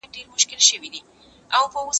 دوی چي ول بالا به کار خلاص سي باره بيا شروع سو